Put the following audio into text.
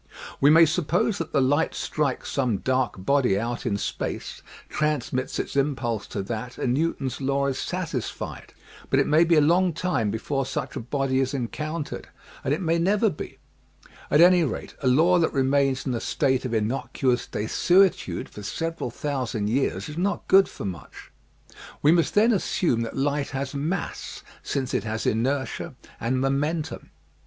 We may suppose that the light strikes some dark body out in space, transmits its im pulse to that and Newton's laws is satisfied, but it may be a long time before such a body is encountered and it may never be : at any rate a law that remains in a state of innocuous desuetude for several thousand years is not good for much. We must then assume that light has mass since it has inertia and momentum.